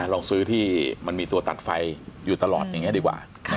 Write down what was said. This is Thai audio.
ลองซื้อที่มันมีตัวตัดไฟอยู่ตลอดอย่างนี้ดีกว่า